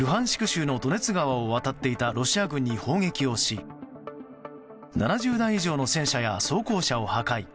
州のドネツ川を渡っていたロシア軍に砲撃をし７０台以上の戦車や装甲車を破壊。